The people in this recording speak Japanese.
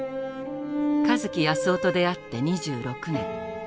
香月泰男と出会って２６年。